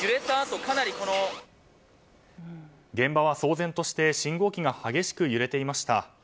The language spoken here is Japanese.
現場は騒然として信号機が激しく揺れていました。